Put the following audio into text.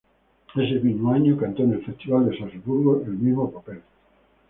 Ese mismo año cantó en el Festival de Salzburgo el mismo papel.